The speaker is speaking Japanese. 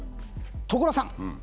所さん！